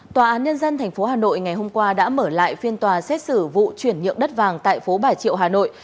tòa án nhân dân tp hà nội ngày hôm qua đã mở lại phiên tòa xét xử vụ chuyển nhượng đất vàng tại phố bà triệu hà nội